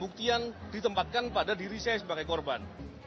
bukti yang ditempatkan pada diri saya sebagai korban